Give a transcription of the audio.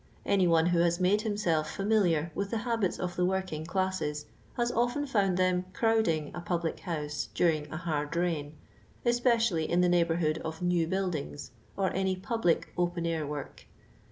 Any one who has made himself familiar with the habits of the working classes has often found them crowding a public house during a hard rain, especially in the neigh bourhood of new buildings, or any public open air work.